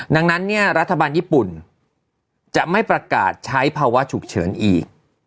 ดังนั้นเนี่ยรัฐบาลญี่ปุ่นจะไม่ประกาศใช้ภาวะฉุกเฉินอีก